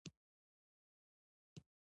پښتو هنر ته نوې ساه ورکړو.